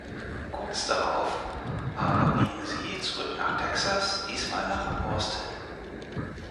Kurz darauf aber gingen sie zurück nach Texas, diesmal nach Austin.